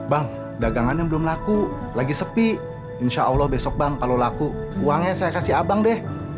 bang dagangannya belum laku lagi sepi insya allah besok bang kalau laku uangnya saya kasih abang deh